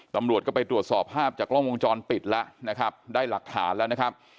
ตำรวจก็ไปตรวจสอบภาพจากกล้องวงจรปิดแล้วนะครับได้หลักฐานแล้วนะครับ